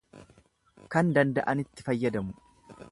Kan danda'anitti fayyadamu.